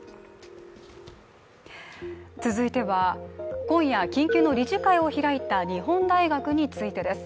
続いては今夜緊急の理事会を開いた、日本大学についてです。